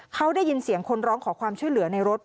เขาได้ยินเสียงคนร้องขอความช่วยเหลือในรถ